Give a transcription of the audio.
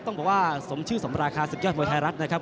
สำชื่อสำราคาศึกยอดมวยไทยรัฐนะครับ